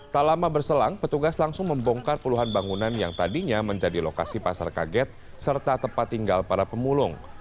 tak lama berselang petugas langsung membongkar puluhan bangunan yang tadinya menjadi lokasi pasar kaget serta tempat tinggal para pemulung